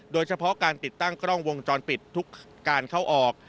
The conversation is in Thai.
โดยเฉพาะการติดตั้งกล้องวงจรปิดทุกการเข้าออก